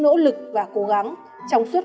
nỗ lực và cố gắng trong suốt